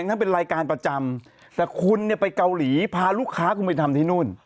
ทั้งเป็นรายการประจำแต่คุณเนี่ยไปเกาหลีพาลูกค้าคุณไปทำที่นู่น